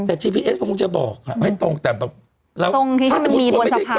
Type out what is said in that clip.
แต่ผมคงจะบอกค่ะไว้ตรงแต่แบบแล้วตรงที่มันมีบนสะพานเนี้ย